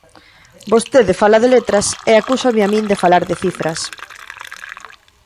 Vostede fala de letras, e acúsame a min de falar de cifras.